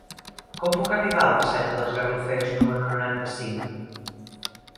Com puc arribar al passatge dels Garrofers número noranta-cinc?